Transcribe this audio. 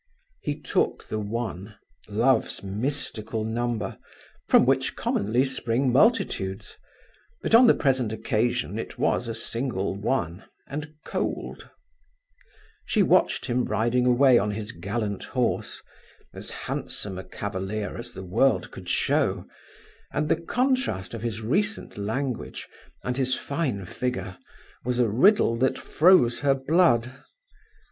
He took the one love's mystical number from which commonly spring multitudes; but, on the present occasion, it was a single one, and cold. She watched him riding away on his gallant horse, as handsome a cavalier as the world could show, and the contrast of his recent language and his fine figure was a riddle that froze her blood.